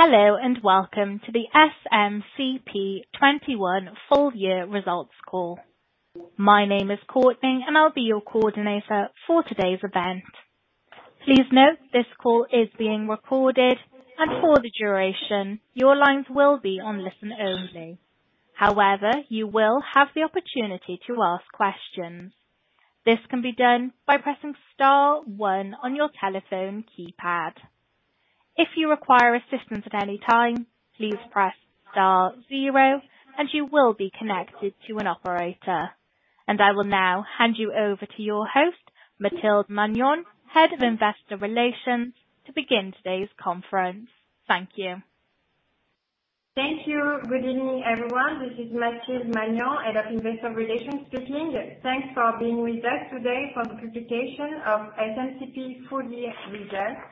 Hello, and welcome to the SMCP 2021 full year results call. My name is Courtney, and I'll be your coordinator for today's event. Please note this call is being recorded, and for the duration, your lines will be on listen-only. However, you will have the opportunity to ask questions. This can be done by pressing star one on your telephone keypad. If you require assistance at any time, please press star zero and you will be connected to an operator. I will now hand you over to your host, Mathilde Magnan, Head of Investor Relations, to begin today's conference. Thank you. Thank you. Good evening, everyone. This is Mathilde Magnan, Head of Investor Relations speaking. Thanks for being with us today for the presentation of SMCP full year results.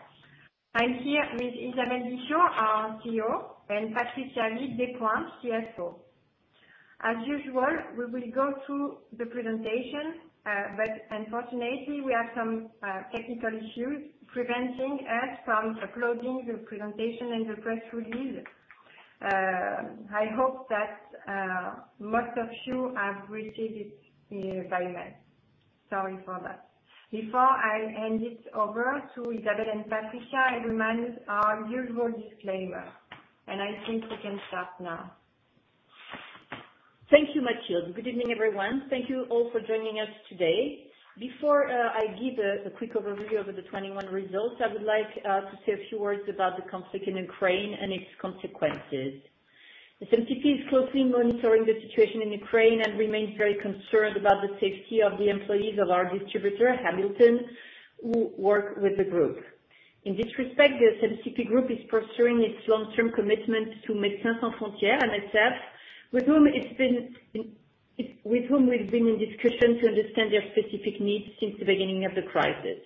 I'm here with Isabelle Guichot, our CEO, and Patricia Huyghues Despointes, CFO. As usual, we will go through the presentation, but unfortunately we have some technical issues preventing us from uploading the presentation in the press release. I hope that most of you have received it by now. Sorry for that. Before I hand it over to Isabelle and Patricia, I remind our usual disclaimer, and I think we can start now. Thank you, Mathilde. Good evening, everyone. Thank you all for joining us today. Before I give a quick overview of the 2021 results, I would like to say a few words about the conflict in Ukraine and its consequences. SMCP is closely monitoring the situation in Ukraine and remains very concerned about the safety of the employees of our distributor, Hamilton, who work with the group. In this respect, the SMCP group is pursuing its long-term commitment to Médecins Sans Frontières, MSF, with whom we've been in discussion to understand their specific needs since the beginning of the crisis.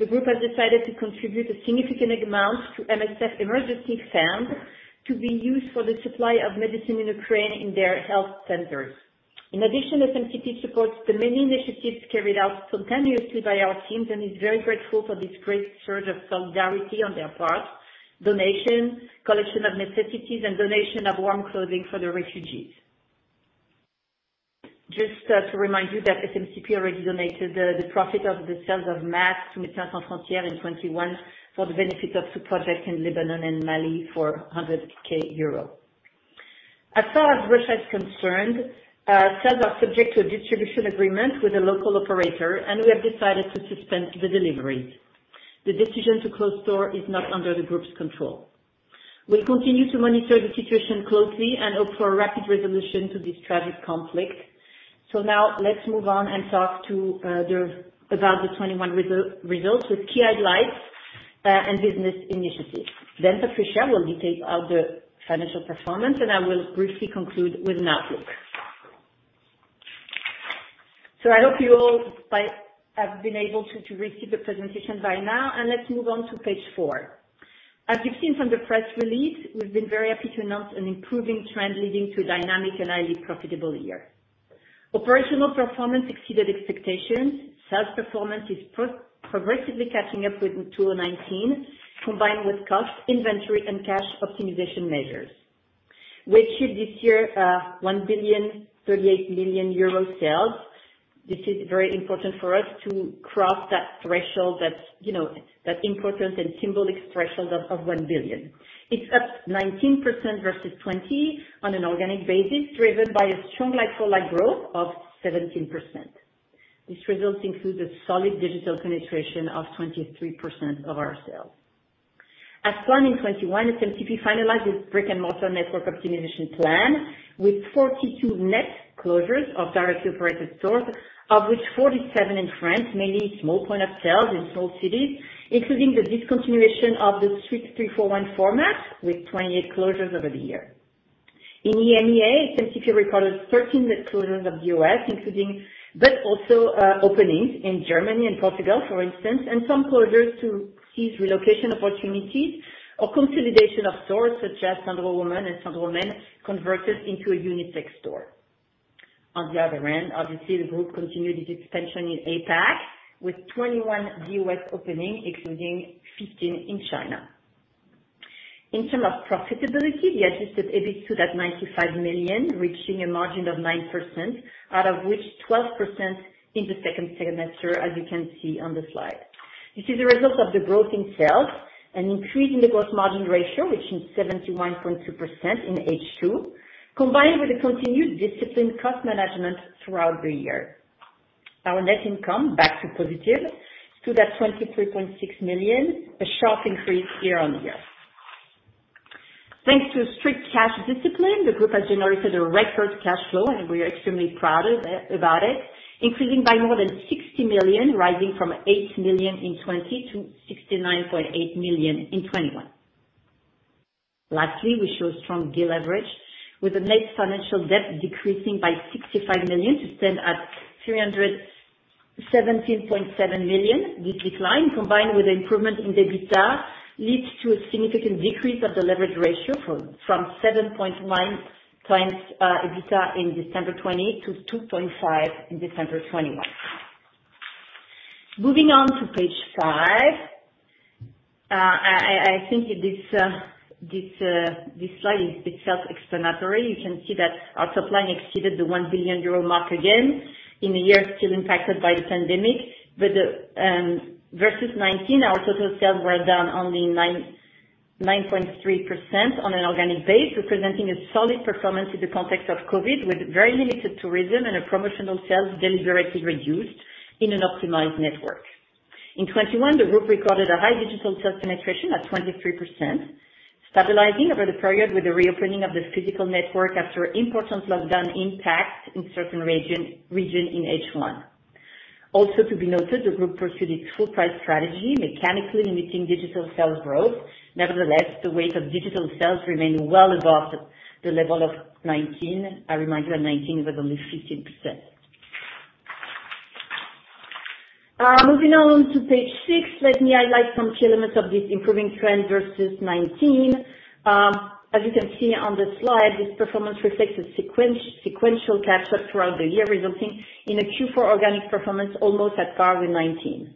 The group has decided to contribute a significant amount to MSF Emergency Fund, to be used for the supply of medicine in Ukraine in their health centers. In addition, SMCP supports the many initiatives carried out spontaneously by our teams and is very grateful for this great surge of solidarity on their part, donations, collection of necessities, and donation of warm clothing for the refugees. Just to remind you that SMCP already donated the profit of the sales of masks to Médecins Sans Frontières in 2021 for the benefit of two projects in Lebanon and Mali for 100,000 euro. As far as Russia is concerned, sales are subject to a distribution agreement with a local operator, and we have decided to suspend the deliveries. The decision to close store is not under the group's control. We'll continue to monitor the situation closely and hope for a rapid resolution to this tragic conflict. Now let's move on and talk about the 2021 results with key highlights and business initiatives. Patricia will detail out the financial performance, and I will briefly conclude with an outlook. I hope you all have been able to receive the presentation by now, and let's move on to page 4. As you've seen from the press release, we've been very happy to announce an improving trend leading to a dynamic and highly profitable year. Operational performance exceeded expectations. Sales performance is progressively catching up with 2019, combined with cost, inventory, and cash optimization measures. We achieved this year 1,038 million euro sales. This is very important for us to cross that threshold, you know, that important and symbolic threshold of 1 billion. It's up 19% versus 2020 on an organic basis, driven by a strong like-for-like growth of 17%. This result includes a solid digital penetration of 23% of our sales. As planned in 2021, SMCP finalized its brick-and-mortar network optimization plan, with 42 net closures of directly operated stores, of which 47 in France, mainly small points of sale in small cities, including the discontinuation of the Suite 341 format, with 28 closures over the year. In EMEA, SMCP recorded 13 net closures of DOS, including, but also openings in Germany and Portugal, for instance, and some closures to seize relocation opportunities or consolidation of stores, such as Sandro Woman and Sandro Man, converted into a unisex store. On the other end, obviously, the group continued its expansion in APAC, with 21 DOS openings, including 15 in China. In terms of profitability, the adjusted EBIT stood at 95 million, reaching a margin of 9%, out of which 12% in the second semester, as you can see on the slide. This is a result of the growth in sales and increase in the gross margin ratio, reaching 71.2% in H2, combined with the continued disciplined cost management throughout the year. Our net income, back to positive, stood at 23.6 million, a sharp increase year-on-year. Thanks to strict cash discipline, the group has generated a record cash flow, and we are extremely proud about it, increasing by more than 60 million, rising from 8 million in 2020 to 69.8 million in 2021. Lastly, we show strong deleverage with the net financial debt decreasing by 65 million to stand at 317.7 million. This decline, combined with improvement in the EBITDA, leads to a significant decrease of the leverage ratio from 7.9x EBITDA in December 2020 to 2.5x in December 2021. Moving on to page 5. I think this slide is a bit self-explanatory. You can see that our sales exceeded the 1 billion euro mark again in a year still impacted by the pandemic. Versus 2019, our total sales were down only 9.3% on an organic basis, representing a solid performance in the context of COVID, with very limited tourism and our promotional sales deliberately reduced in an optimized network. In 2021, the group recorded a high digital sales penetration at 23%, stabilizing over the period with the reopening of the physical network after important lockdown impact in certain regions in H1. Also to be noted, the group pursued its full price strategy, mechanically limiting digital sales growth. Nevertheless, the weight of digital sales remained well above the level of 2019. I remind you that 2019 was only 15%. Moving on to page six. Let me highlight some key elements of this improving trend versus 2019. As you can see on the slide, this performance reflects a sequential catch-up throughout the year, resulting in a Q4 organic performance almost at par with 2019.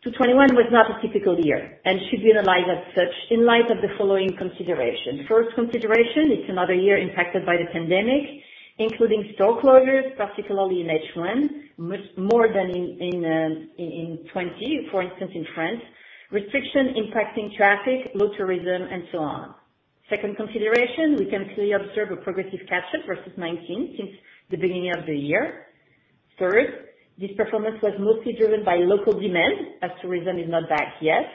2021 was not a typical year and should be analyzed as such in light of the following consideration. First consideration, it's another year impacted by the pandemic, including store closures, particularly in H1, more than in 2020, for instance, in France, restrictions impacting traffic, low tourism, and so on. Second consideration, we can clearly observe a progressive catch-up versus 2019 since the beginning of the year. Third, this performance was mostly driven by local demand, as tourism is not back yet,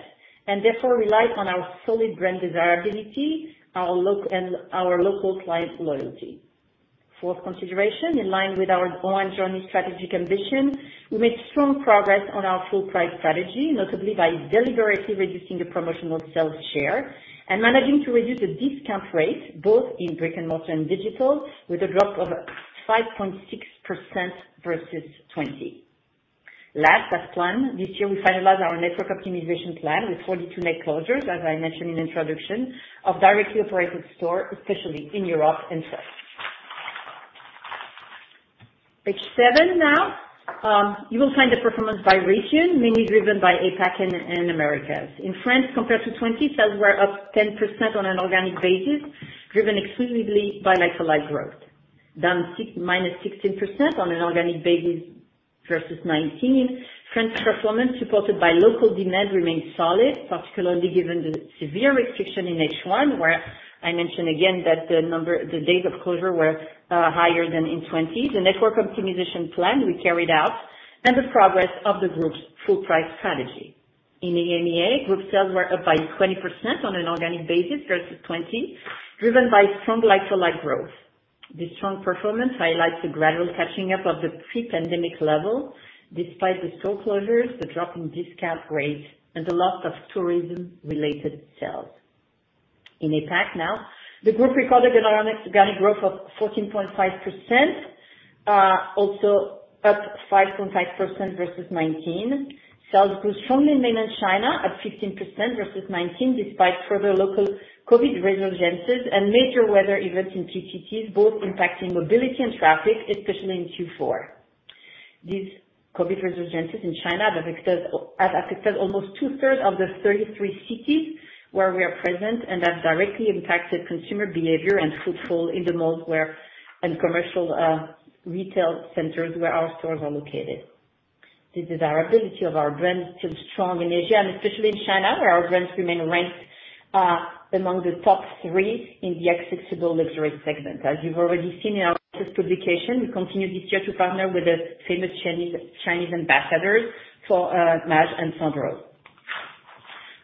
and therefore relied on our solid brand desirability, our local client loyalty. Fourth consideration, in line with our One Journey strategic ambition, we made strong progress on our full price strategy, notably by deliberately reducing the promotional sales share and managing to reduce the discount rate both in brick-and-mortar and digital, with a drop of 5.6% versus 2020. Last, as planned, this year we finalized our network optimization plan with 42 net closures, as I mentioned in introduction, of directly operated store, especially in Europe and France. Page 7 now. You will find the performance by region, mainly driven by APAC and Americas. In France, compared to 2020, sales were up 10% on an organic basis, driven exclusively by like-for-like growth. Down -16% on an organic basis versus 2019. In France, performance supported by local demand remained solid, particularly given the severe restriction in H1, where I mention again that the days of closure were higher than in 2020, the network optimization plan we carried out and the progress of the group's full price strategy. In EMEA, group sales were up by 20% on an organic basis versus 2020, driven by strong like-for-like growth. This strong performance highlights the gradual catching up of the pre-pandemic level despite the store closures, the drop in discount rate, and the loss of tourism-related sales. In APAC, the group recorded an organic growth of 14.5%, also up 5.5% versus 2019. Sales grew strongly in Mainland China at 15% versus 2019, despite further local COVID resurgences and major weather events in PTT, both impacting mobility and traffic, especially in Q4. These COVID resurgences in China have affected almost 2/3 of the 33 cities where we are present and have directly impacted consumer behavior and footfall in the malls and commercial retail centers where our stores are located. The desirability of our brand is still strong in Asia and especially in China, where our brands remain ranked among the top three in the accessible luxury segment. As you've already seen in our first publication, we continued this year to partner with the famous Chinese ambassadors for Maje and Sandro.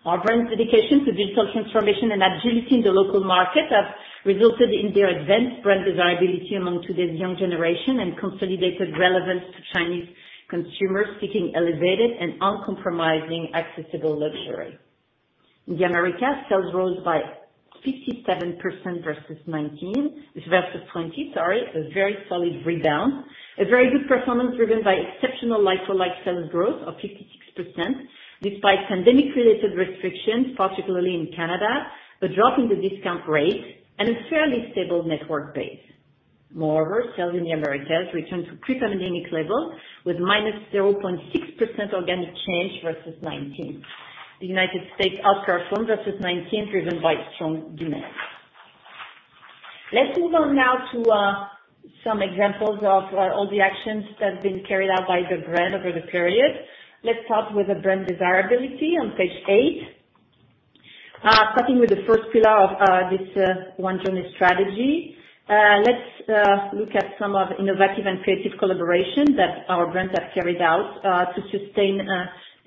Our brand's dedication to digital transformation and agility in the local market have resulted in their advanced brand desirability among today's young generation and consolidated relevance to Chinese consumers seeking elevated and uncompromising accessible luxury. In the Americas, sales rose by 57% versus 2020, sorry. A very solid rebound. A very good performance driven by exceptional like-for-like sales growth of 56%, despite pandemic-related restrictions, particularly in Canada, the drop in the discount rate, and a fairly stable network base. Moreover, sales in the Americas returned to pre-pandemic level with -0.6% organic change versus 2019. The United States outperformed strongly versus 2019, driven by strong demand. Let's move on now to some examples of all the actions that have been carried out by the brand over the period. Let's start with the brand desirability on page 8. Starting with the first pillar of this One Journey strategy, let's look at some innovative and creative collaborations that our brands have carried out to sustain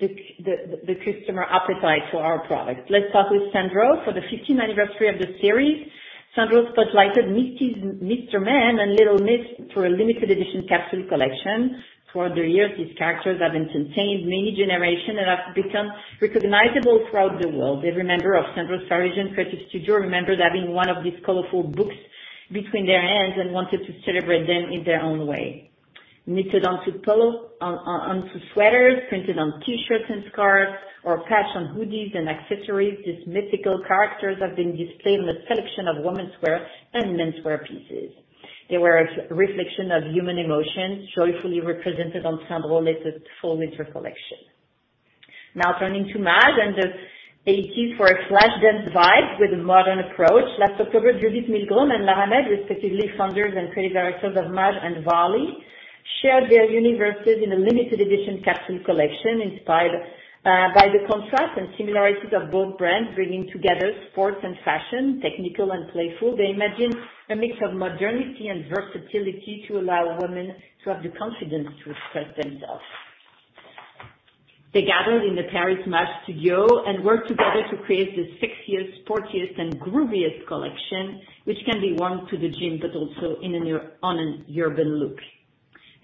the customer appetite for our products. Let's start with Sandro. For the 50th anniversary of the series, Sandro spotlighted Mr. Men and Little Miss for a limited edition capsule collection. For years, these characters have entertained many generations and have become recognizable throughout the world. Every member of Sandro's Parisian creative studio remembers having one of these colorful books in their hands and wanted to celebrate them in their own way. Knitted onto polo, onto sweaters, printed on T-shirts and scarves or patched on hoodies and accessories, these mythical characters have been displayed in a selection of womenswear and menswear pieces. They were a reflection of human emotion, joyfully represented on Sandro latest fall winter collection. Now turning to Maje and the 80s for a flash dance vibe with a modern approach. Last October, Judith Milgrom and Lara Mead, respectively, founders and creative directors of Maje and Varley, shared their universes in a limited edition capsule collection inspired by the contrast and similarities of both brands. Bringing together sports and fashion, technical and playful, they imagined a mix of modernity and versatility to allow women to have the confidence to express themselves. They gathered in the Paris Maje studio and worked together to create the sexiest, sportiest and grooviest collection, which can be worn to the gym but also on an urban look.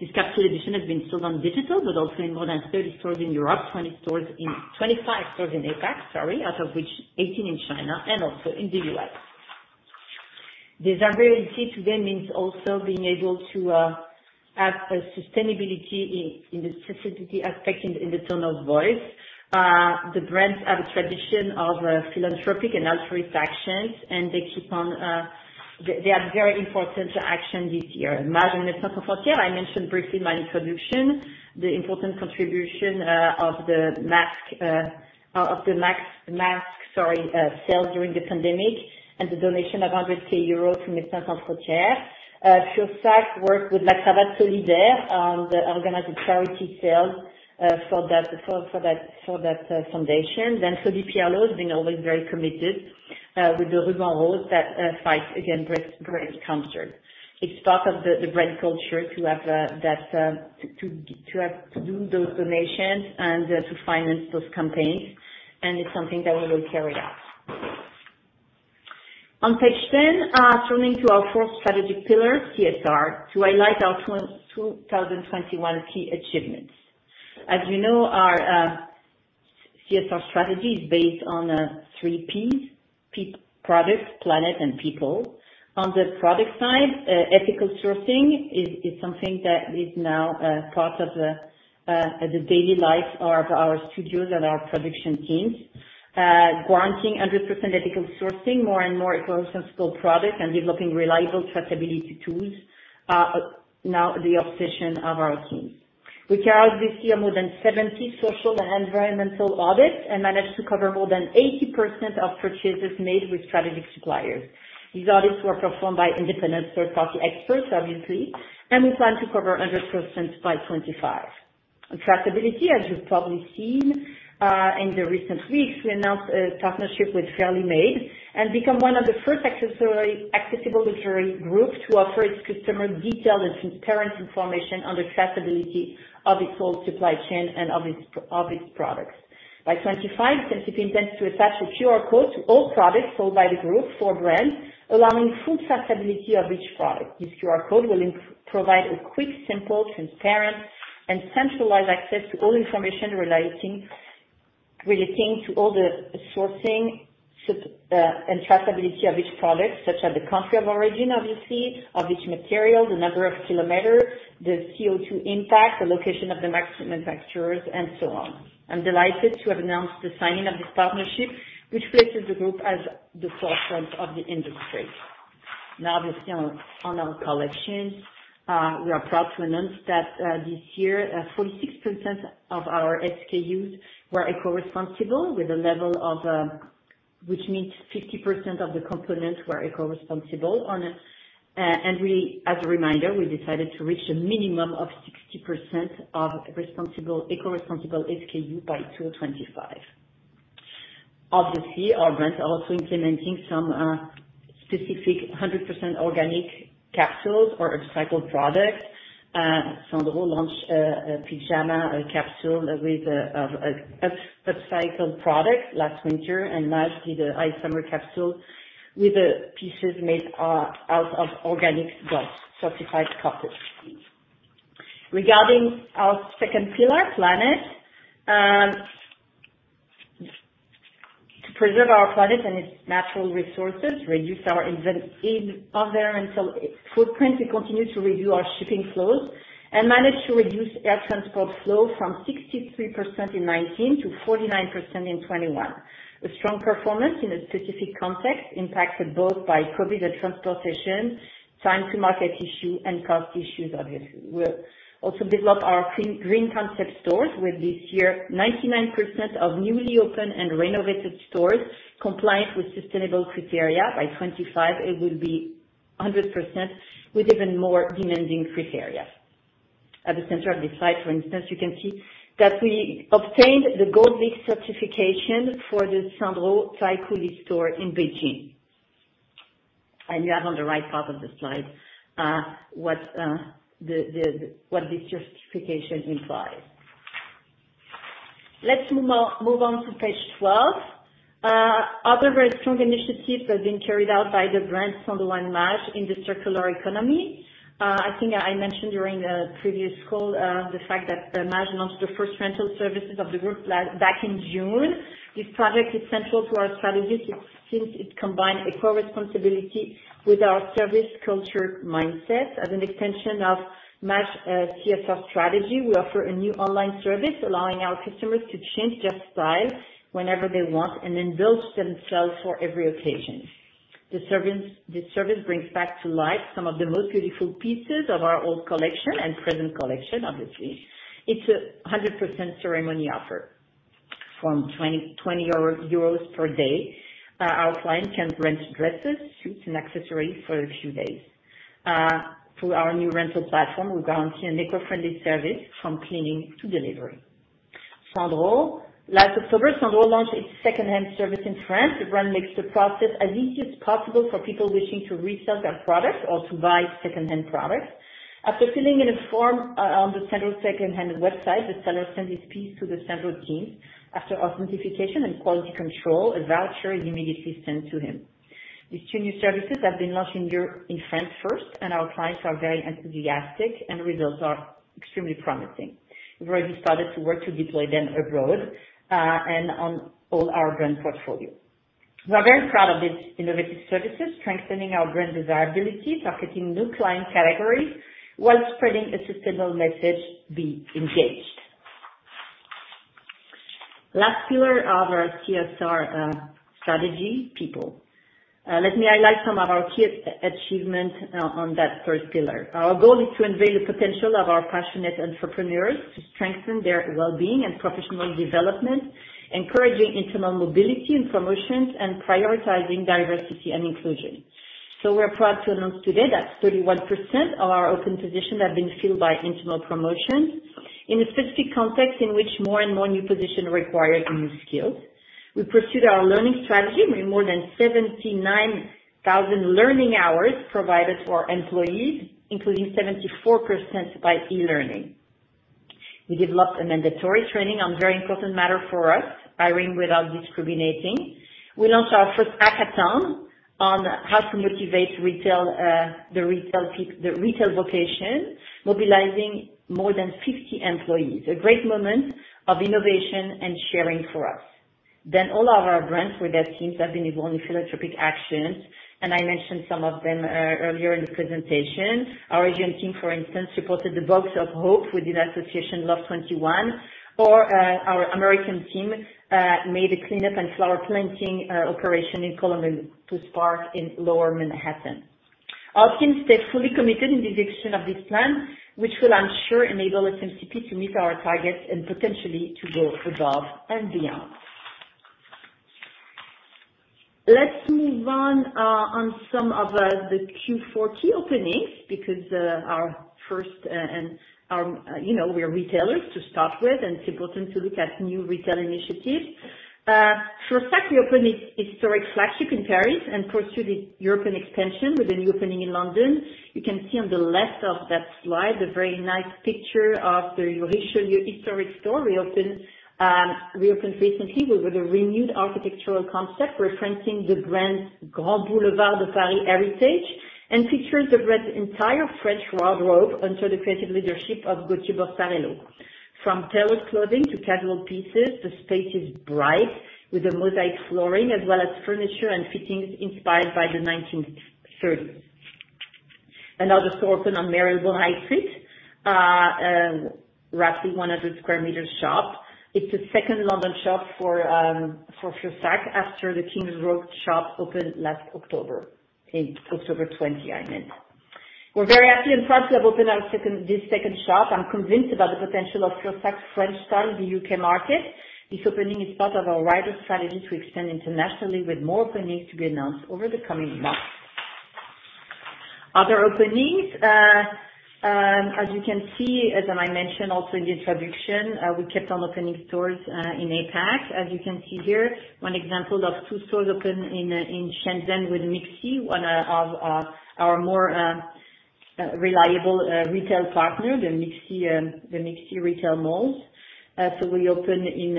This capsule edition has been sold on digital, but also in more than 30 stores in Europe, 25 stores in APAC, sorry, out of which 18 in China and also in the U.S. Desirability today means also being able to have a sustainability in the specificity aspect, in the tone of voice. The brands have a tradition of philanthropic and altruistic actions, and they keep on, they are very important actions this year. Maje. I mentioned briefly in my introduction, the important contribution of the Maje mask sale during the pandemic and the donation of 100,000 euros to Médecins Sans Frontières. Fursac worked with La Cravate Solidaire on the organized charity sale for that foundation. Claudie Pierlot has been always very committed with Le Ruban Rose that fights against breast cancer. It's part of the brand culture to do those donations and to finance those campaigns, and it's something that will be carried out. On page 10, turning to our fourth strategic pillar, CSR, to highlight our 2021 key achievements. As you know, our CSR strategy is based on three P's, product, planet and people. On the product side, ethical sourcing is something that is now part of the daily life of our studios and our production teams. Ensuring 100% ethical sourcing, more and more eco-responsible products, and developing reliable traceability tools are now the obsession of our teams. We carried this year more than 70 social and environmental audits, and managed to cover more than 80% of purchases made with strategic suppliers. These audits were performed by independent third-party experts, obviously, and we plan to cover 100% by 2025. On traceability, as you've probably seen, in the recent weeks, we announced a partnership with Fairly Made and become one of the first accessible luxury groups to offer its customers detailed and transparent information on the traceability of its whole supply chain and of its products. By 2025, SMCP intends to attach a QR code to all products sold by the group's four brands, allowing full traceability of each product. This QR code will provide a quick, simple, transparent, and centralized access to all information relating to all the sourcing and traceability of each product, such as the country of origin obviously, of each material, the number of kilometers, the CO2 impact, the location of the manufacturers, and so on. I'm delighted to have announced the signing of this partnership, which places the group at the forefront of the industry. Now, obviously on our collections, we are proud to announce that, this year, 46% of our SKUs were eco-responsible with a level of, which means 50% of the components were eco-responsible on it. We as a reminder, we decided to reach a minimum of 60% of responsible, eco-responsible SKU by 2025. Obviously, our brands are also implementing some specific 100% organic capsules or upcycled products. Sandro launched a pajama capsule with upcycled product last winter, and Maje did a summer capsule with pieces made out of organic GOTS certified cotton. Regarding our second pillar, planet, to preserve our planet and its natural resources, reduce our environmental footprint, we continue to review our shipping flows and managed to reduce air transport flow from 63% in 2019 to 49% in 2021. A strong performance in a specific context impacted both by COVID and transportation, time to market issue and cost issues obviously. We'll also develop our green concept stores with this year 99% of newly open and renovated stores compliant with sustainable criteria. By 2025, it will be 100% with even more demanding criteria. At the center of this slide, for instance, you can see that we obtained the LEED Gold certification for the Sandro Taikoo Li store in Beijing. You have on the right part of the slide, what this certification implies. Let's move on to page 12. Other very strong initiatives have been carried out by the brands Sandro and Maje in the circular economy. I think I mentioned during a previous call, the fact that, Maje launched the first rental services of the group back in June. This project is central to our strategies since it combines eco responsibility with our service culture mindset. As an extension of Maje CSR strategy, we offer a new online service allowing our customers to change their size whenever they want and then build themselves for every occasion. The service brings back to life some of the most beautiful pieces of our old collection and present collection, obviously. It's a 100% circular offer. From 20 euros per day, our client can rent dresses, suits and accessories for a few days. Through our new rental platform, we guarantee an eco-friendly service from cleaning to delivery. Sandro. Last October, Sandro launched its second-hand service in France. The brand makes the process as easy as possible for people wishing to resell their products or to buy second-hand products. After filling in a form on the Sandro second-hand website, the seller sends his piece to the Sandro team. After authentication and quality control, a voucher is immediately sent to him. These two new services have been launched in France first, and our clients are very enthusiastic and results are extremely promising. We've already started to work to deploy them abroad, and on all our brand portfolio. We are very proud of these innovative services, strengthening our brand desirability, targeting new client categories while spreading a sustainable message, being engaged. Last pillar of our CSR strategy, people. Let me highlight some of our key achievements on that third pillar. Our goal is to unveil the potential of our passionate entrepreneurs to strengthen their well-being and professional development, encouraging internal mobility and promotions, and prioritizing diversity and inclusion. We're proud to announce today that 31% of our open positions have been filled by internal promotions in a specific context in which more and more new positions require new skills. We pursued our learning strategy with more than 79,000 learning hours provided for our employees, including 74% by e-learning. We developed a mandatory training on very important matter for us, hiring without discriminating. We launched our first hackathon on how to motivate retail vocation, mobilizing more than 50 employees. A great moment of innovation and sharing for us. All of our brands with their teams have been involved in philanthropic actions, and I mentioned some of them earlier in the presentation. Our Asian team, for instance, supported the Box of Hope with the association Love 21. Our American team made a cleanup and flower planting operation in Columbus Park in Lower Manhattan. Our teams stay fully committed in the execution of this plan, which will ensure and enable SMCP to meet our targets and potentially to go above and beyond. Let's move on to some of the Q4 key openings, because first and foremost, you know, we are retailers to start with and it's important to look at new retail initiatives. First, we opened historic flagship in Paris and pursued the European expansion with a new opening in London. You can see on the left of that slide the very nice picture of the historic store we reopened recently with a renewed architectural concept referencing the brand's Grands Boulevards de Paris heritage, and features the brand's entire French wardrobe under the creative leadership of Gauthier Borsarello. From tailored clothing to casual pieces, the space is bright with a mosaic flooring as well as furniture and fittings inspired by the 1930s. Another store opened on Marylebone High Street, roughly 100 sq m shop. It's the second London shop for Fursac after the King's Road shop opened last October. In October 2020, I meant. We're very happy and proud to have opened our second shop. I'm convinced about the potential of Fursac's French style in the U.K. market. This opening is part of our wider strategy to expand internationally with more openings to be announced over the coming months. Other openings, as you can see, as I mentioned also in the introduction, we kept on opening stores in APAC. As you can see here, one example of two stores opened in Shenzhen with MixC, one of our more reliable retail partner, the MixC retail malls. We opened in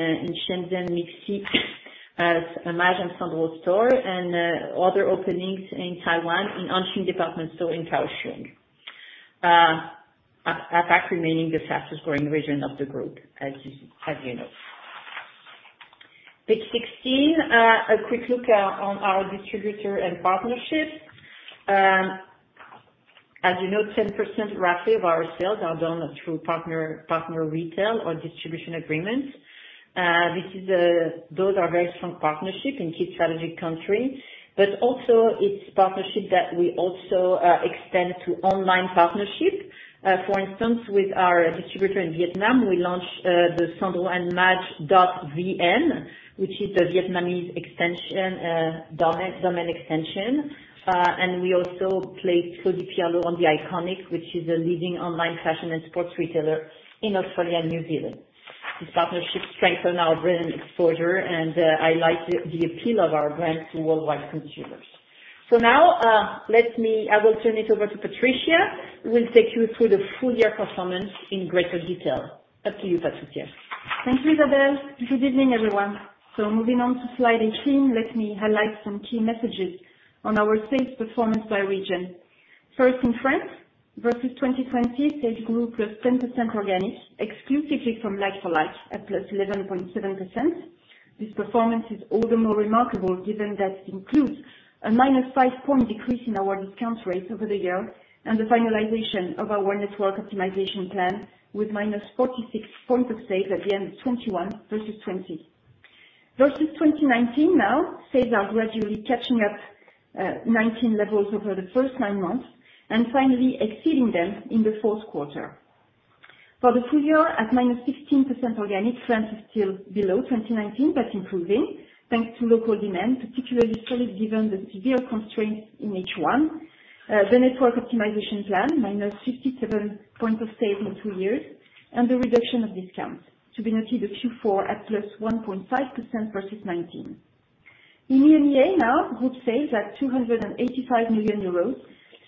Shenzhen MixC as a Maje and Sandro store, and other openings in Taiwan in Hanshin Department Store in Kaohsiung. APAC remaining the fastest growing region of the group as you know. Page 16, a quick look on our distributor and partnerships. As you know, 10% roughly of our sales are done through partner retail or distribution agreements. These are very strong partnerships in key strategic countries, but also partnerships that we extend to online partnerships. For instance, with our distributor in Vietnam, we launched the sandroandmaje.vn, which is the Vietnamese domain extension. And we also placed Claudie Pierlot on THE ICONIC, which is a leading online fashion and lifestyle retailer in Australia and New Zealand. These partnerships strengthen our brand exposure, and highlight the appeal of our brand to worldwide consumers. I will turn it over to Patricia, who will take you through the full year performance in greater detail. Up to you, Patricia. Thank you, Isabelle. Good evening, everyone. Moving on to slide 18, let me highlight some key messages on our sales performance by region. First, in France, versus 2020, sales grew +10% organic, exclusively from like-for-like at +11.7%. This performance is all the more remarkable given that it includes a -5-point decrease in our discount rates over the year and the finalization of our network optimization plan with -46 points of sale at the end of 2021 versus 2020. Versus 2019, sales are gradually catching up, 2019 levels over the first nine months, and finally exceeding them in the fourth quarter. For the full year, at -16% organic, France is still below 2019, but improving thanks to local demand, particularly solid given the severe constraints in H1. The network optimization plan, -57 points of sale in two years, and the reduction of discounts to be noted Q4 at +1.5% versus 2019. In EMEA now, group sales at 285 million euros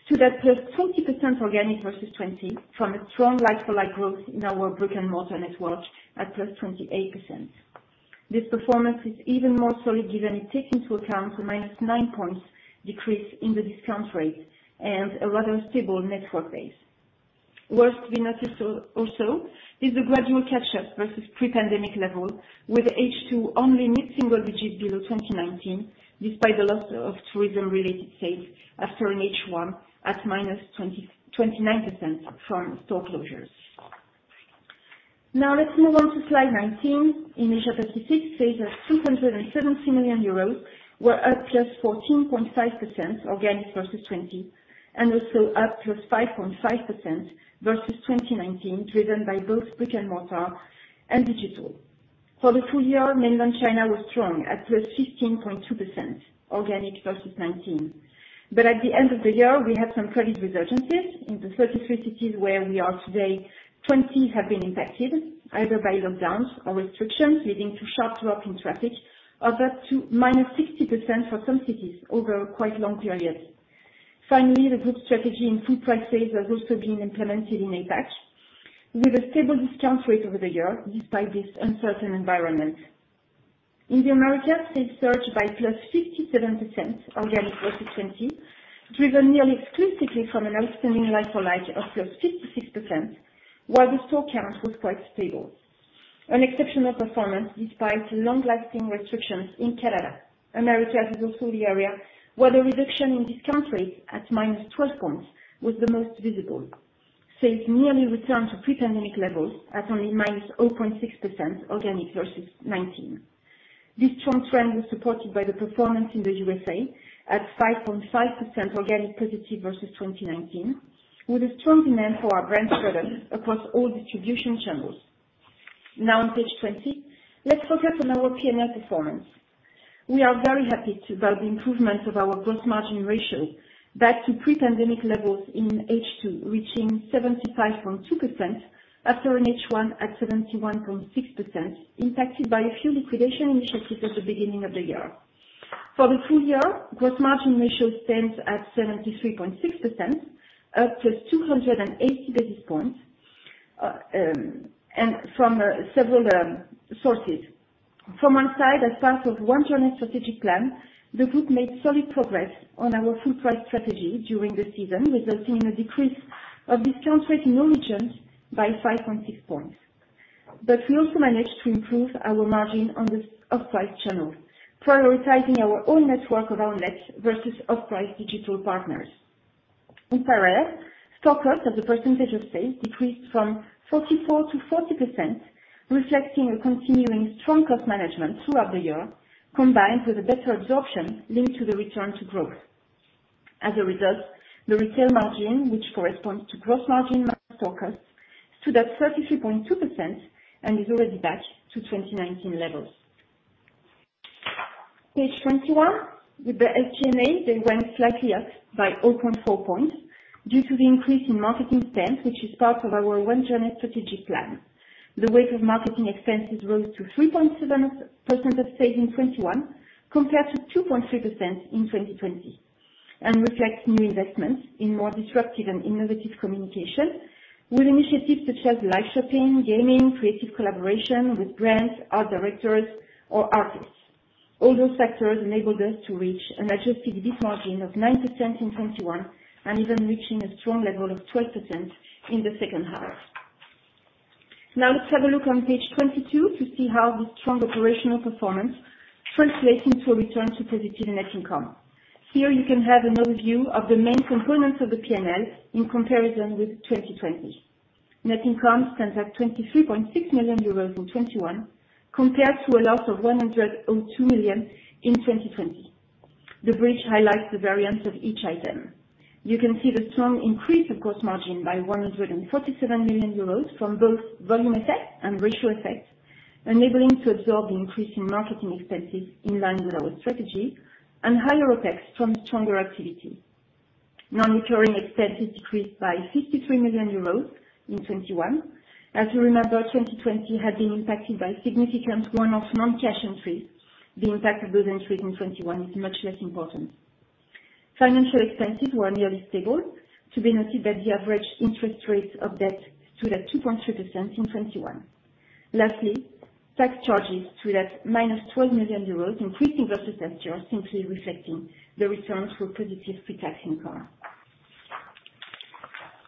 stood at +20% organic versus 2020, from a strong like-for-like growth in our brick-and-mortar network at +28%. This performance is even more solid given it takes into account the -9 points decrease in the discount rate and a rather stable network base. Worth to be noted also is the gradual catch-up versus pre-pandemic levels, with H2 only mid-single digits below 2019, despite the loss of tourism-related sales after H1 at -29% from store closures. Now let's move on to slide 19. In Asia Pacific, sales of 270 million euros were up just 14.5% organic versus 2020, and also up +5.5% versus 2019, driven by both brick-and-mortar and digital. For the full year, Mainland China was strong at +15.2% organic versus 2019. At the end of the year, we had some COVID resurgences. In the 33 cities where we are today, 20 have been impacted either by lockdowns or restrictions, leading to sharp drop in traffic of up to -60% for some cities over quite long periods. Finally, the group strategy in full price sales has also been implemented in APAC with a stable discount rate over the year despite this uncertain environment. In the Americas, sales surged by +57% organic versus 2020, driven nearly exclusively from an outstanding like-for-like of +56%, while the store count was quite stable. An exceptional performance despite long-lasting restrictions in Canada. Americas is also the area where the reduction in discount rate at minus 12 points was the most visible. Sales nearly returned to pre-pandemic levels at only -0.6% organic versus 2019. This strong trend was supported by the performance in the U.S.A. at 5.5% organic positive versus 2019, with a strong demand for our brand products across all distribution channels. Now on page 20, let's focus on our P&L performance. We are very happy to note the improvement of our gross margin ratio back to pre-pandemic levels in H2, reaching 75.2% after H1 at 71.6%, impacted by a few liquidations we shifted at the beginning of the year. For the full year, gross margin ratio stands at 73.6%, up 280 basis points from several sources. From our side, as part of One Journey strategic plan, the group made solid progress on our full price strategy during the season, resulting in a decrease of discount rate in all regions by 5.6 points. We also managed to improve our margin on this off-price channel, prioritizing our own network of outlets versus off-price digital partners. In parallel, stockists as a percentage of sales decreased from 44% to 40%, reflecting a continuing strong cost management throughout the year, combined with a better absorption linked to the return to growth. As a result, the retail margin, which corresponds to gross margin minus store costs, stood at 33.2% and is already back to 2019 levels. Page 21. With the SG&A, they went slightly up by 0.4 points due to the increase in marketing spend, which is part of our One Journey strategic plan. The weight of marketing expenses rose to 3.7% of sales in 2021, compared to 2.3% in 2020, and reflects new investments in more disruptive and innovative communication with initiatives such as live shopping, gaming, creative collaboration with brands, art directors, or artists. All those factors enabled us to reach an Adjusted EBIT margin of 9% in 2021, and even reaching a strong level of 12% in the second half. Now let's have a look on page 22 to see how the strong operational performance translates into a return to positive net income. Here you can have an overview of the main components of the P&L in comparison with 2020. Net income stands at 23.6 million euros in 2021, compared to a loss of 102 million in 2020. The bridge highlights the variance of each item. You can see the strong increase of gross margin by 147 million euros from both volume effect and ratio effect, enabling to absorb the increase in marketing expenses in line with our strategy and higher OpEx from stronger activity. Non-recurring expenses decreased by 53 million euros in 2021. As you remember, 2020 had been impacted by significant one-off non-cash entries. The impact of those entries in 2021 is much less important. Financial expenses were nearly stable. To be noted that the average interest rates of debt stood at 2.3% in 2021. Lastly, tax charges stood at -12 million euros, increasing versus last year, simply reflecting the return to a positive pre-tax income.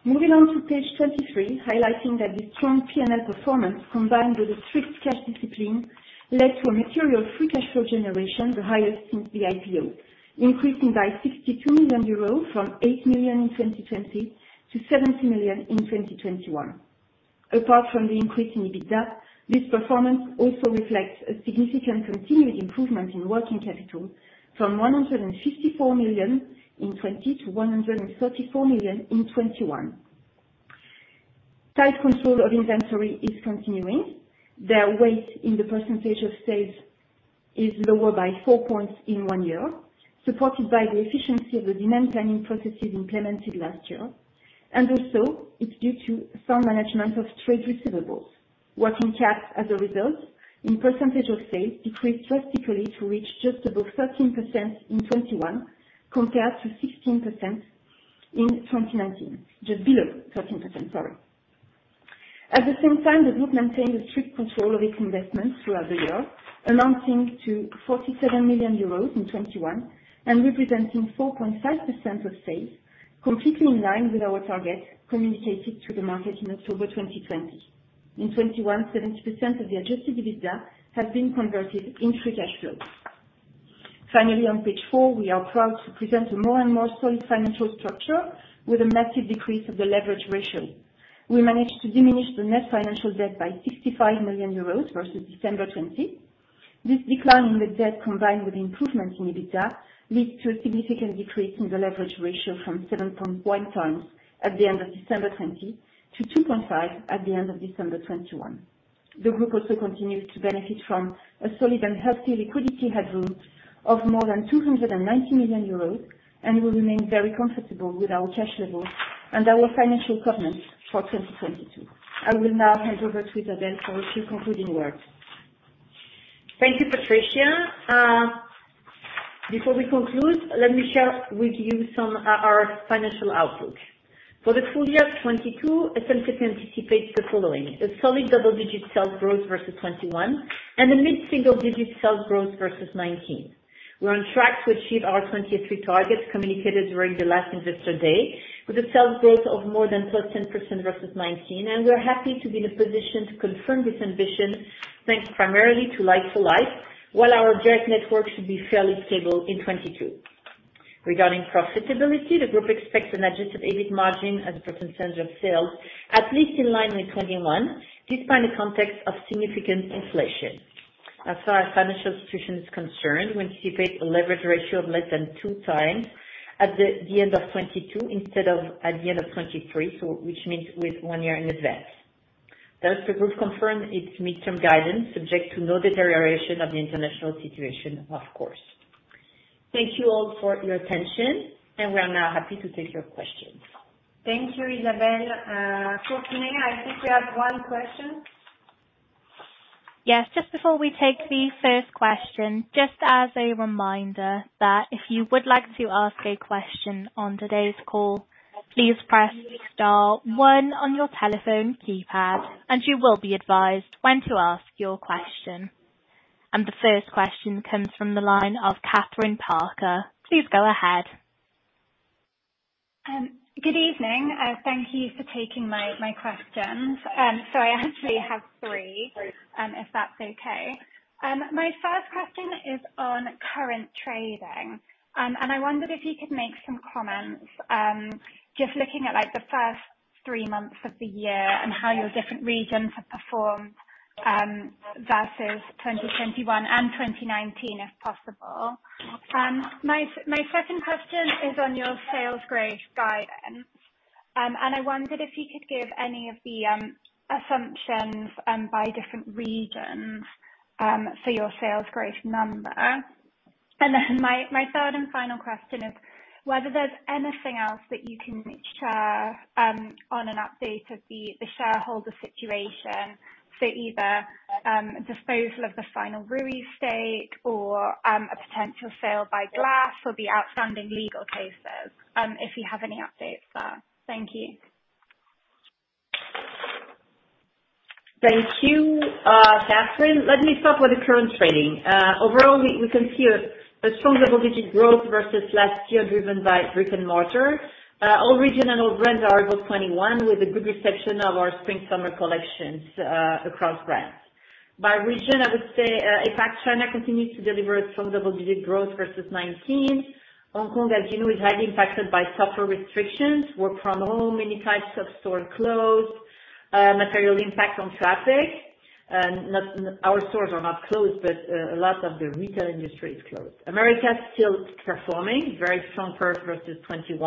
Moving on to page 23, highlighting that the strong P&L performance, combined with a strict cash discipline, led to a material free cash flow generation, the highest since the IPO, increasing by 62 million euros from 8 million in 2020 to 70 million in 2021. Apart from the increase in EBITDA, this performance also reflects a significant continued improvement in working capital from 154 million in 2020 to 134 million in 2021. Tight control of inventory is continuing. Their weight in the percentage of sales is lower by 4 points in one year, supported by the efficiency of the demand planning processes implemented last year. It's due to some management of trade receivables. Working cap, as a result, in percentage of sales, decreased drastically to reach just above 13% in 2021 compared to 16% in 2019. Just below 13%, sorry. At the same time, the group maintained a strict control of its investments throughout the year, amounting to 47 million euros in 2021 and representing 4.5% of sales, completely in line with our target communicated to the market in October 2020. In 2021, 70% of the adjusted EBITDA has been converted into free cash flow. Finally, on page four, we are proud to present a more and more solid financial structure with a massive decrease of the leverage ratio. We managed to diminish the net financial debt by 65 million euros versus December 2020. This decline in the debt, combined with improvements in EBITDA, leads to a significant decrease in the leverage ratio from 7.1x at the end of December 2020 to 2.5x at the end of December 2021. The group also continues to benefit from a solid and healthy liquidity headroom of more than 290 million euros, and will remain very comfortable with our cash levels and our financial covenants for 2022. I will now hand over to Isabelle for a few concluding words. Thank you, Patricia. Before we conclude, let me share with you some of our financial outlook. For the full year of 2022, SMCP anticipates the following: a solid double-digit sales growth versus 2021 and a mid-single-digit sales growth versus 2019. We're on track to achieve our 2023 targets communicated during the last Investor Day, with a sales growth of more than +10% versus 2019, and we're happy to be in a position to confirm this ambition thanks primarily to like-for-like, while our direct network should be fairly stable in 2022. Regarding profitability, the group expects an adjusted EBIT margin as a percentage of sales at least in line with 2021, despite the context of significant inflation. As far as financial situation is concerned, we anticipate a leverage ratio of less than 2x at the end of 2022 instead of at the end of 2023. Which means with one year in advance. Thus, the group confirms its midterm guidance subject to no deterioration of the international situation, of course. Thank you all for your attention, and we are now happy to take your questions. Thank you, Isabelle. For tuning in, I think we have one question. Yes. Just before we take the first question, just as a reminder that if you would like to ask a question on today's call, please press star one on your telephone keypad, and you will be advised when to ask your question. The first question comes from the line of Kathryn Parker. Please go ahead. Good evening. Thank you for taking my questions. So I actually have three, if that's okay. My first question is on current trading, and I wondered if you could make some comments, just looking at, like, the first three months of the year and how your different regions have performed, versus 2021 and 2019, if possible. My second question is on your sales growth guidance, and I wondered if you could give any of the assumptions, by different regions, for your sales growth number. Then my third and final question is whether there's anything else that you can share, on an update of the shareholder situation. Either disposal of the final Ruyi stake or a potential sale by GLAS or the outstanding legal cases, if you have any updates there. Thank you. Thank you, Kathryn. Let me start with the current trading. Overall, we can see a strong double-digit growth versus last year, driven by brick and mortar. All regional brands are above 2021, with a good reception of our spring/summer collections across brands. By region, I would say, in fact, China continues to deliver strong double-digit growth versus 2019. Hong Kong, as you know, is highly impacted by travel restrictions. Work from home, many types of stores closed, material impact on traffic. Our stores are not closed, but a lot of the retail industry is closed. America is still performing very strong growth versus 2021,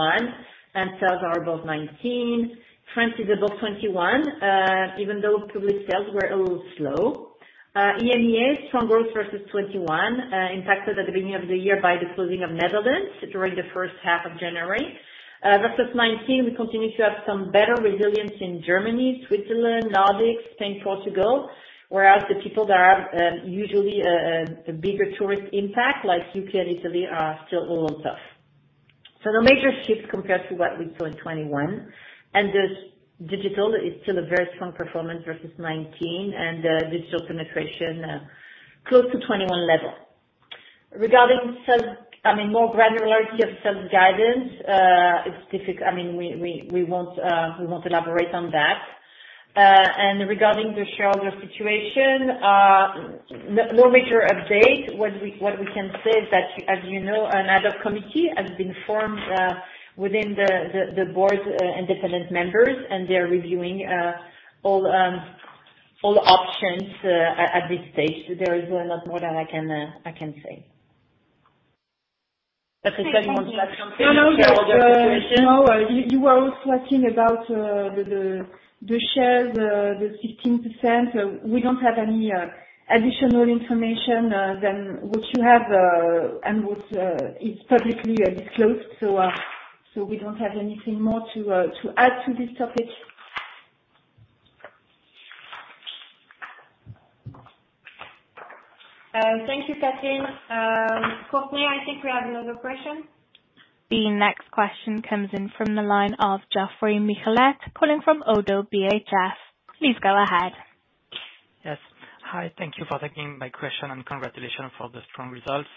and sales are above 2019. France is above 2021, even though public sales were a little slow. EMEA, strong growth versus 2021, impacted at the beginning of the year by the closing of Netherlands during the first half of January. Versus 2019, we continue to have some better resilience in Germany, Switzerland, Nordics, Spain, Portugal, whereas the people that have usually a bigger tourist impact, like U.K. and Italy, are still a little tough. No major shifts compared to what we saw in 2021. The digital is still a very strong performance versus 2019, and digital penetration close to 2021 level. Regarding sales, I mean more granularity of sales guidance, I mean, we won't elaborate on that. Regarding the shareholder situation, no major update. What we can say is that, as you know, an ad hoc committee has been formed within the board's independent members, and they're reviewing all the options, at this stage, there is not more that I can say. Kathryn, do you want to add something to shareholder question? No. You were also asking about the shares, the 15%. We don't have any additional information than what you have and what is publicly disclosed. We don't have anything more to add to this topic. Thank you, Kathryn. Courtney, I think we have another question. The next question comes in from the line of Geoffroy Michalet, calling from ODDO BHF. Please go ahead. Yes. Hi, thank you for taking my question and congratulations for the strong results.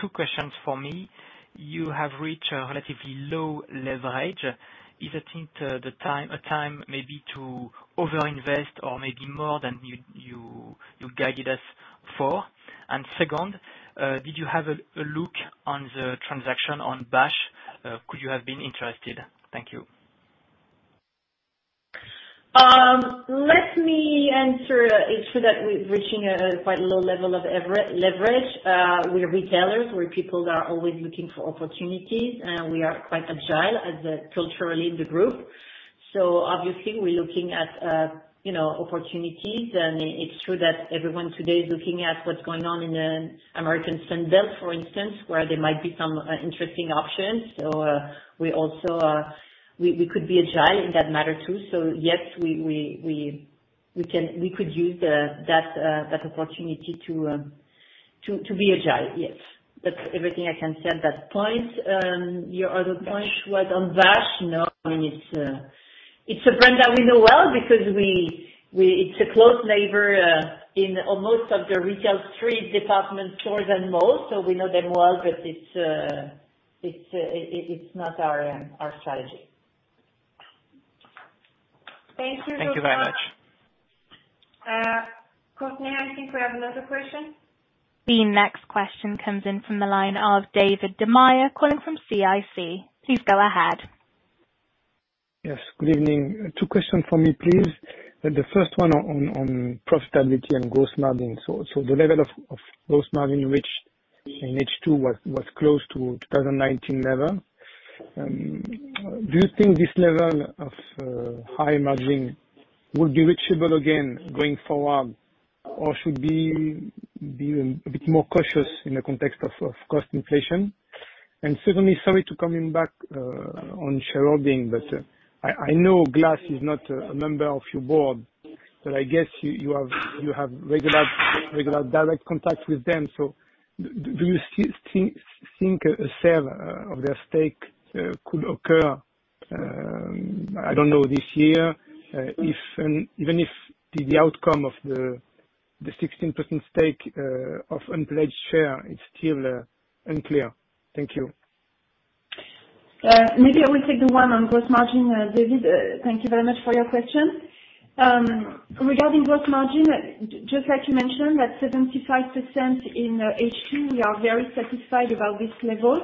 Two questions from me. You have reached a relatively low leverage. Is it the time, a time maybe to over-invest or maybe more than you guided us for? Second, did you have a look on the transaction on ba&sh? Could you have been interested? Thank you. Let me answer. It's true that we're reaching a quite low level of net leverage. We're retailers, we're people that are always looking for opportunities, and we are quite agile culturally in the group. Obviously we're looking at, you know, opportunities. It's true that everyone today is looking at what's going on in the American Sun Belt, for instance, where there might be some interesting options. We also could use that opportunity to be agile, yes. That's everything I can say at that point. Your other point was on ba&sh. No, I mean, it's a brand that we know well because it's a close neighbor in almost all of the retail street department stores and malls, so we know them well, but it's not our strategy. Thank you so much. Thank you very much. Courtney, I think we have another question. The next question comes in from the line of David Da Maia, calling from CIC. Please go ahead. Yes, good evening. Two questions from me, please. The first one on profitability and gross margin. The level of gross margin which in H2 was close to 2019 level. Do you think this level of high margin will be reachable again going forward? Or should we be a bit more cautious in the context of cost inflation? Secondly, sorry to come back on shareholding, but I know GLAS is not a member of your board, but I guess you have regular direct contact with them. Do you think a sale of their stake could occur this year, if and even if the outcome of the 16% stake of unpledged share is still unclear? Thank you. Maybe I will take the one on gross margin, David. Thank you very much for your question. Regarding gross margin, just like you mentioned, at 75% in H2, we are very satisfied about this level.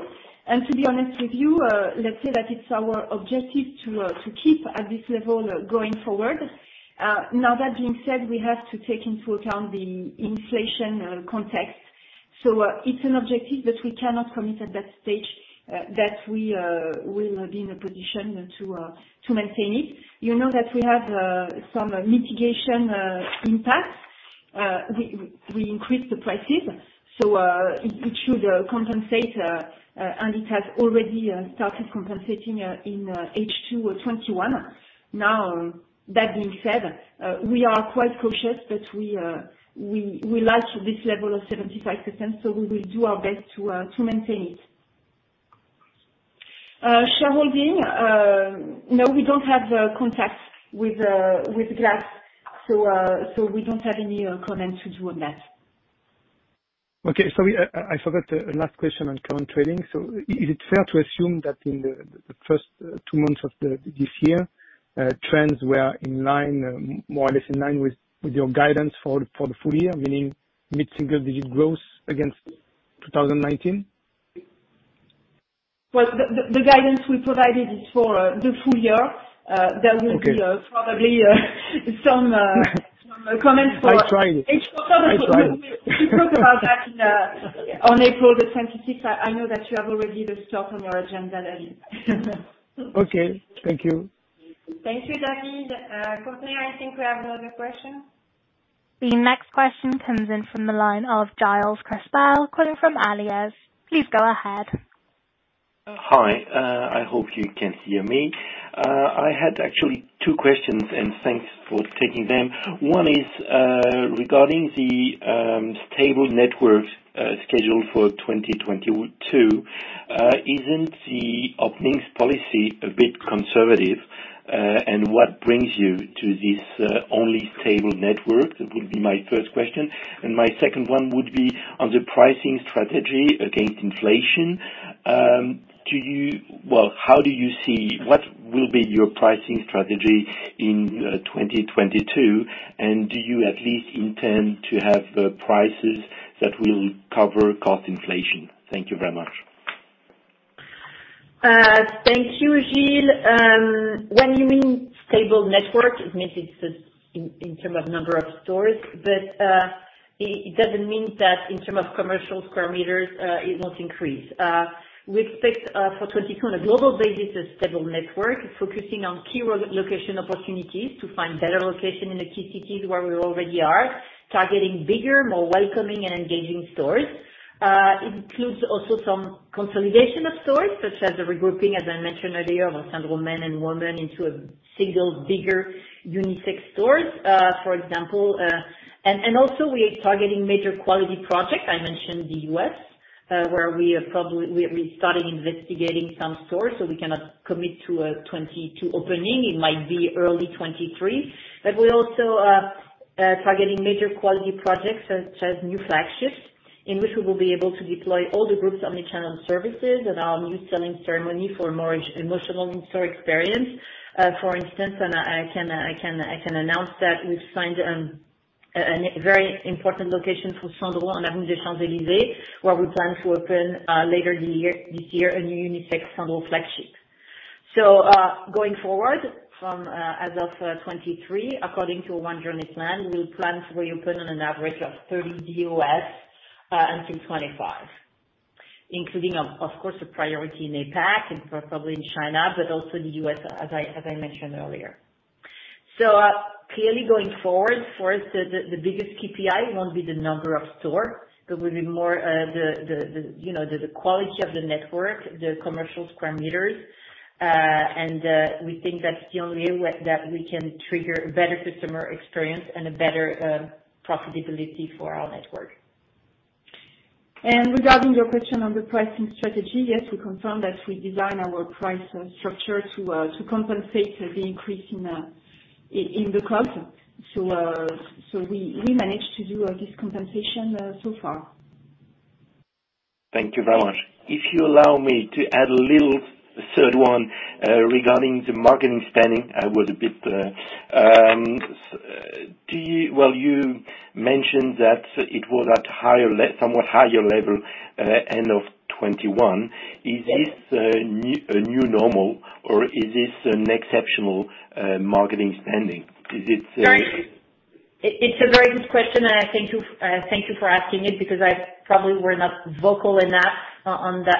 To be honest with you, let's say that it's our objective to keep at this level going forward. Now that being said, we have to take into account the inflation context. It's an objective, but we cannot commit at that stage that we will be in a position to maintain it. You know, that we have some mitigation impact. We increase the prices, so it should compensate, and it has already started compensating in H2 or 2021. Now, that being said, we are quite cautious, but we like this level of 75%, so we will do our best to maintain it. Shareholding, no, we don't have contacts with GLAS, so we don't have any comment to do on that. Okay. Sorry, I forgot, last question on current trading. Is it fair to assume that in the first two months of this year, trends were in line, more or less in line with your guidance for the full year, meaning mid-single-digit growth against 2019? Well, the guidance we provided is for the full year. Okay. There will be probably some comments for... I tried. H... I tried. We talk about that in on April 26. I know that you have already this talk on your agenda, David. Okay. Thank you. Thank you, David. Courtney, I think we have another question. The next question comes in from the line of Gilles Crespel, calling from Alizés. Please go ahead. Hi, I hope you can hear me. I had actually two questions, and thanks for taking them. One is regarding the store network scheduled for 2022. Isn't the openings policy a bit conservative? And what brings you to this only store network? That would be my first question. My second one would be on the pricing strategy against inflation. Well, what will be your pricing strategy in 2022? And do you at least intend to have prices that will cover cost inflation? Thank you very much. Thank you, Gilles. When you mean stable network, it means it's in terms of number of stores. It doesn't mean that in terms of commercial square meters, it won't increase. We expect for 2022 on a global basis, a stable network focusing on key location opportunities to find better location in the key cities where we already are. Targeting bigger, more welcoming and engaging stores. It includes also some consolidation of stores, such as the regrouping, as I mentioned earlier, of Sandro men and women into a single bigger unisex stores, for example. Also we are targeting major quality projects. I mentioned the U.S., where we started investigating some stores, so we cannot commit to a 2022 opening. It might be early 2023. We're also targeting major quality projects, such as new flagships, in which we will be able to deploy all the group's omni-channel services and our new selling ceremony for a more emotional in-store experience. For instance, I can announce that we've signed a very important location for Sandro on Avenue des Champs-Élysées, where we plan to open later this year a new unisex Sandro flagship. Going forward, as of 2023, according to One Journey plan, we will plan to reopen on an average of 30 DOS until 2025, including, of course, a priority in APAC and probably in China, but also the U.S., as I mentioned earlier. Clearly going forward, for us, the biggest KPI won't be the number of stores. It will be more the quality of the network, the commercial square meters. We think that's the only way that we can trigger a better customer experience and a better profitability for our network. Regarding your question on the pricing strategy, yes, we confirm that we design our price structure to compensate the increase in the cost. We managed to do this compensation so far. Thank you very much. If you allow me to add a little third one, regarding the marketing spending, I was a bit. Well, you mentioned that it was at somewhat higher level, end of 2021. Yes. Is this a new normal or is this an exceptional marketing spending? Is it... Right. It's a very good question, and I thank you, thank you for asking it because I probably were not vocal enough on that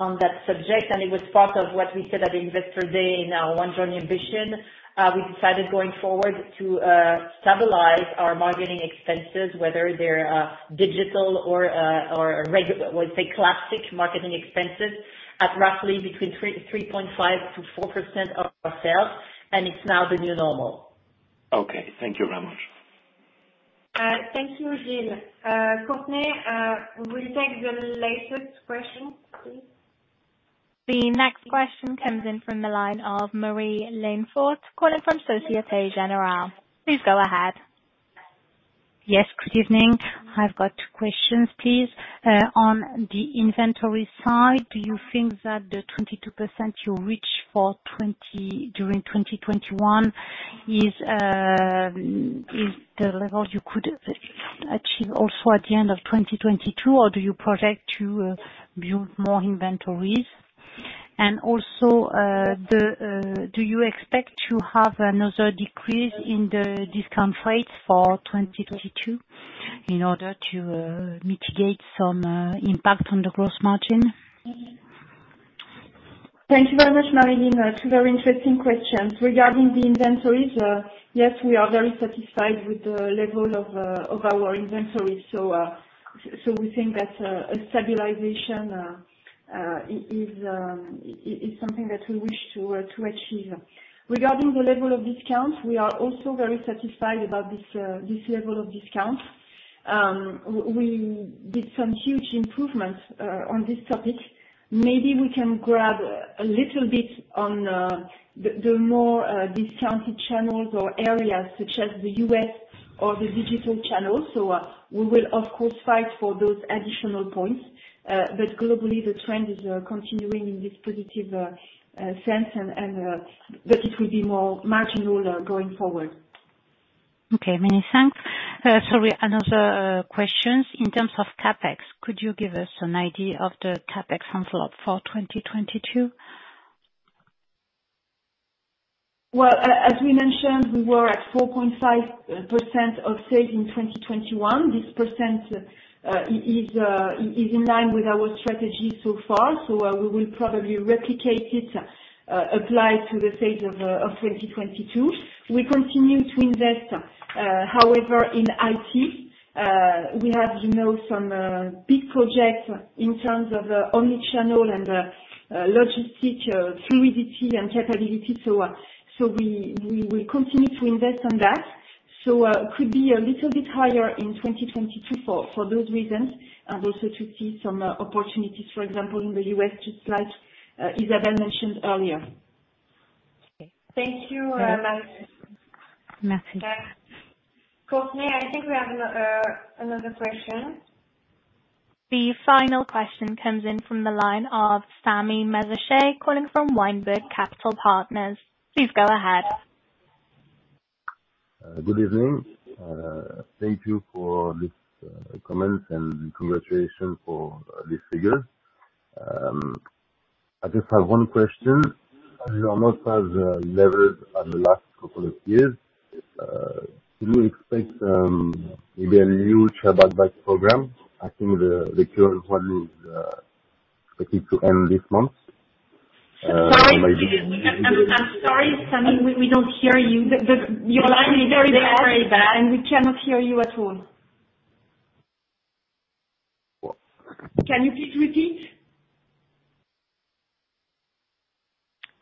subject. It was part of what we said at Investor Day in our One Journey ambition. We decided going forward to stabilize our marketing expenses, whether they're digital or regular, we'll say classic marketing expenses, at roughly between 3.5%-4% of our sales, and it's now the new normal. Okay. Thank you very much. Thank you, Gilles. Courtney, we'll take the latest question, please. The next question comes in from the line of Marie-Line Fort, calling from Société Générale. Please go ahead. Yes. Good evening. I've got two questions, please. On the inventory side, do you think that the 22% you reached for 2020, during 2021 is the level you could achieve also at the end of 2022 or do you project to build more inventories? Also, do you expect to have another decrease in the discount rates for 2022 in order to mitigate some impact on the gross margin? Thank you very much, Marie-Line. Very interesting questions. Regarding the inventories, yes, we are very satisfied with the level of our inventory. We think that a stabilization is something that we wish to achieve. Regarding the level of discounts, we are also very satisfied about this level of discounts. We did some huge improvements on this topic. Maybe we can grab a little bit on the more discounted channels or areas such as the U.S. or the digital channels. We will of course fight for those additional points. But globally, the trend is continuing in this positive sense and but it will be more marginal going forward. Many thanks. Sorry, another question. In terms of CapEx, could you give us an idea of the CapEx envelope for 2022? Well, as we mentioned, we were at 4.5% of sales in 2021. This percent is in line with our strategy so far. We will probably replicate it, apply to the sales of 2022. We continue to invest, however, in IT. We have, you know, some big projects in terms of omni-channel and logistics fluidity and capability. We will continue to invest on that. It could be a little bit higher in 2022 for those reasons and also to see some opportunities, for example, in the U.S. just like Isabelle mentioned earlier. Okay. Thank you, Marie-Line Fort. Merci. Courtney, I think we have another question. The final question comes in from the line of Samy Mezaache calling from Weinberg Capital Partners. Please go ahead. Good evening. Thank you for this comments and congratulations for this figure. I just have one question. As you almost have leveled on the last couple of years, do you expect maybe a new share buyback program? I think the current one is to end this month. Maybe... Sorry. I'm sorry, Samy. We don't hear you. Your line is very bad. The line is very bad. We cannot hear you at all. Can you please repeat?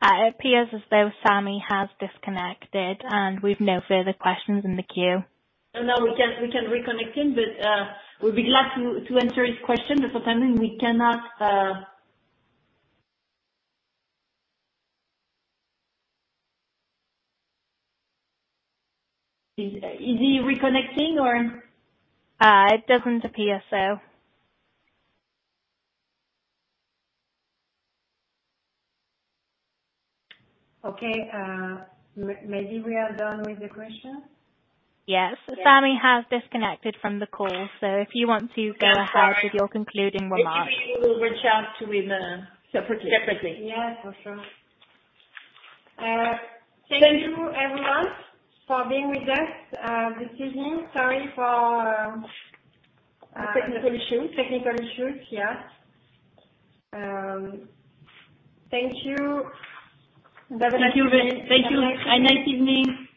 It appears as though Samy Mezaache has disconnected, and we've no further questions in the queue. Oh, no, we can reconnect him, but we'll be glad to answer his question, but for some reason we cannot. Is he reconnecting or? It doesn't appear so. Okay. Maybe we are done with the question. Yes. Samy Mezaache has disconnected from the call, so if you want to go ahead with your concluding remarks. Maybe we will reach out to him separately for sure. Thank you everyone for being with us this evening. Sorry for technical issues. Yeah. Thank you. Have a nice evening.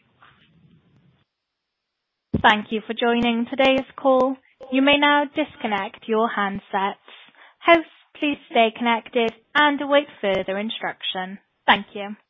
Thank you for joining today's call. You may now disconnect your handsets. Hosts, please stay connected and await further instruction. Thank you.